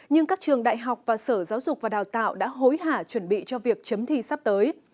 nhưng các trường đại học và sở giáo dục và đào tạo đã hối hả chuẩn bị cho việc chấm thi sắp tới